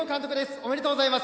おめでとうございます。